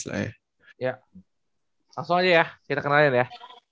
langsung aja ya kita kenalin ya